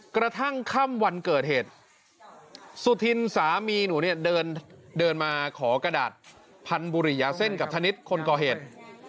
กระทั่งค่ำวันเกิดเหตุสุธินสามีหนูเนี่ยเดินมาขอกระดาษพันธุริยาเส้นกับธนิษฐ์คนก่อเหตุ